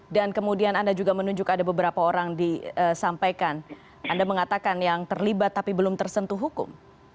dan kemudian anda juga menunjukkan ada beberapa orang disampaikan anda mengatakan yang terlibat tapi belum tersentuh hukum